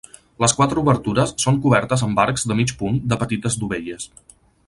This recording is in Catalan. Les quatre obertures són cobertes amb arcs de mig punt de petites dovelles.